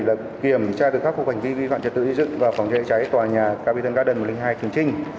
là kiểm tra được khắc phục hành vi vi phạm trực tựa xây dựng và phòng cháy trựa cháy tòa nhà capitol garden một trăm linh hai trường trinh